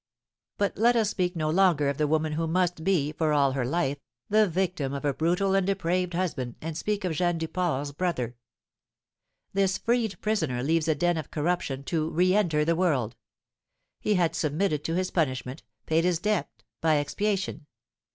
But let us speak no longer of the woman who must be, for all her life, the victim of a brutal and depraved husband, and speak of Jeanne Duport's brother. This freed prisoner leaves a den of corruption to reënter the world; he had submitted to his punishment, payed his debt by expiation.